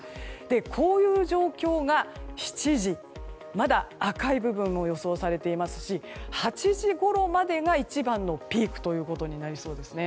こういう状況が７時はまだ赤い部分も予想されていますし８時ごろまでが一番のピークとなりそうですね。